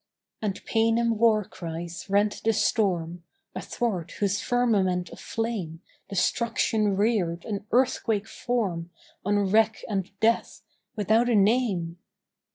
And Paynim war cries rent the storm, Athwart whose firmament of flame Destruction reared an earthquake form On wreck and death without a name....